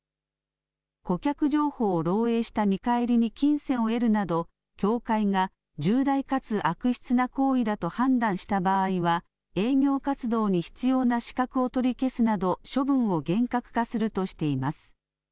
顧客情報を漏えいした見返りに金銭を得るなど、協会が重大かつ悪質な行為だと判断した場合は、営業活動に必要な資格を取り消すなど処分を厳格化するとしています。